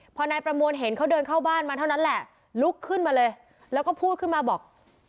พอนายประมวลเห็นเขาเดินเข้าบ้านมาเท่านั้นแหละลุกขึ้นมาเลยแล้วก็พูดขึ้นมาบอก